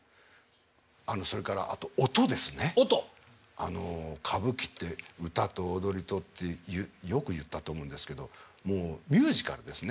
あの歌舞伎って歌と踊りとってよく言ったと思うんですけどもうミュージカルですね。